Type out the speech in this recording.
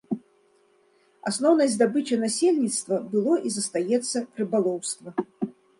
Асноўнай здабычай насельніцтва было і застаецца рыбалоўства.